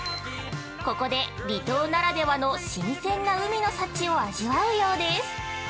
ここで、離島ならではの新鮮な海の幸を味わうようです。